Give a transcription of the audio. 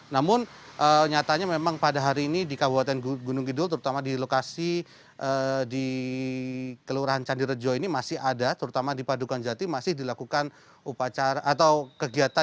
namun nyatanya memang pada hari ini di kabupaten gunung kidul terutama di lokasi di kelurahan candi rejo ini masih ada terutama di padukan jati masih dilakukan upacara atau kegiatan